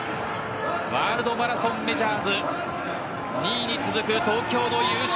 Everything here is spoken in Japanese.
ワールドマラソンメジャーズ２位に続く東京での優勝。